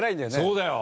そうだよ！